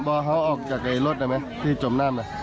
เพราะเขาออกจากไอ่รถได้ไหมที่จมไหน